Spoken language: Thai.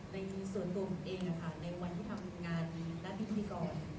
ในส่วนตัวผมเองในวันที่ทำงานด้านพิธีกร